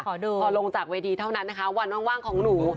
พอลงจากเวทีเท่านั้นนะคะวันว่างของหนู